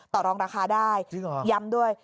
ต่อรองราคาได้ย้ำด้วย